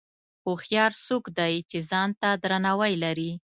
هوښیار څوک دی چې ځان ته درناوی لري.